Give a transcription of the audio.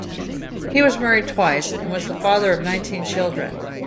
He was married twice and was the father of nineteen children.